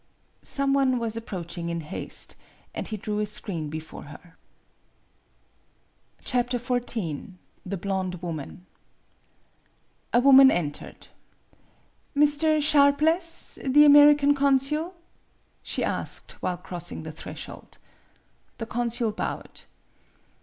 Some one was approaching in haste, and he drew a screen before her. XIV THE BLONDE WOMAN A WOMAN entered. " Mr. Sharpless the American consul ?" she asked, while crossing the threshold. The consul bowed.